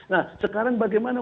nah sekarang bagaimana